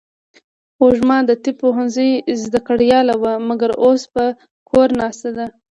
وږمه د طب پوهنځۍ زده کړیاله وه ، مګر اوس په کور ناسته ده.